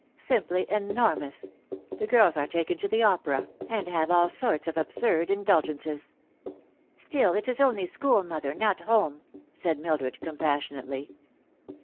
Simply enormous. The girls are taken to the opera, and have all sorts of absurd indulgences." " Still, it is only school, mother, not home," said Mildred compassionately.